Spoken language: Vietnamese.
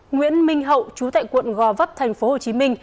nguyễn minh hậu chú tại quận gò vấp tp hcm